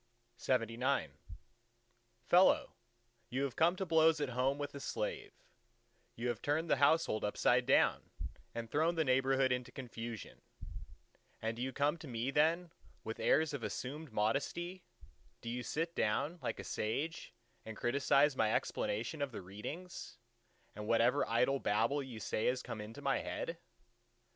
LXXX Fellow, you have come to blows at home with a slave: you have turned the household upside down, and thrown the neighbourhood into confusion; and do you come to me then with airs of assumed modesty—do you sit down like a sage and criticise my explanation of the readings, and whatever idle babble you say has come into my head?